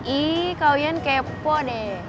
ih kau yang kepo deh